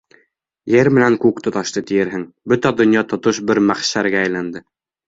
Ер менән күк тоташты тиерһең, бөтә донъя тотош бер мәхшәргә әйләнде.